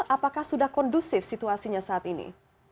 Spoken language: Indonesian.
apakah sudah kondusif situasinya saat ini